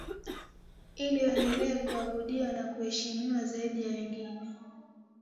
ili waendelee kuabudiwa na kuheshimiwa zaidi ya wengine